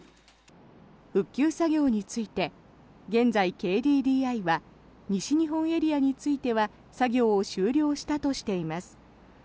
復旧作業について現在、ＫＤＤＩは西日本エリアについては作業を終了したとしています。